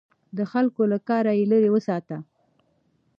د خلکو له کاره لیرې وساته.